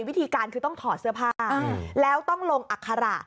วิธีการคือต้องถอดเสื้อผ้าแล้วต้องลงอัคระ